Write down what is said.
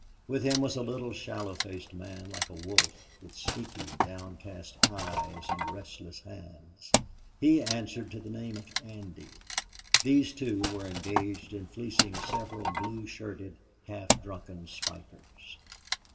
With him was a little, sallow faced man, like a wolf, with sneaky, downcast eyes and restless hands. He answered to the name of Andy. These two were engaged in fleecing several blue shirted, half drunken spikers.